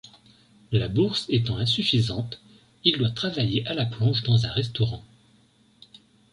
La bourse étant insuffisante, il doit travailler à la plonge dans un restaurant.